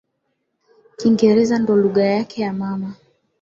Kiingereza ndo lugha yake ya mama